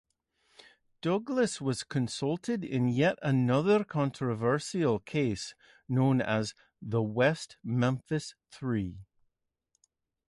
Douglas was consulted in yet another controversial case known as "The West Memphis Three".